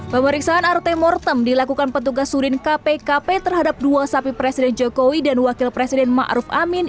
pemeriksaan rt mortem dilakukan petugas surin kpkp terhadap dua sapi presiden joko widodo dan wakil presiden ma'ruf amin